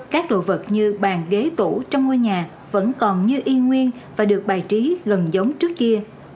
các đồ vật như bàn ghế tủ trong ngôi nhà vẫn còn như y nguyên và được bài trí gần giống trước kia